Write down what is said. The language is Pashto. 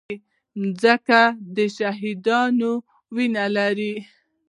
مځکه د شهیدانو وینه لري.